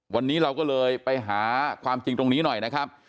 วันนี้เราก็เลยไปหาความจริงตรงนี้หน่อยนะครับ